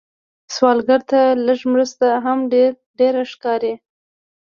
سوالګر ته لږ مرسته هم ډېره ښکاري